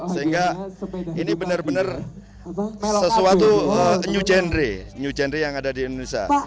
sehingga ini benar benar sesuatu new genre yang ada di indonesia